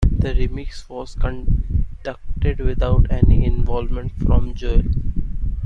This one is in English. The remix was conducted without any involvement from Joel.